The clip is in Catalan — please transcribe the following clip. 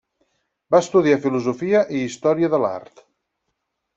Va estudiar filosofia i història de l'art.